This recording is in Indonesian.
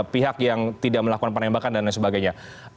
pihak yang tidak melakukan penembakan dan lain sebagainya